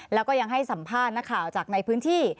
แล้วก็ยังให้สัมภาษณ์นักข่าวจากในพื้นที่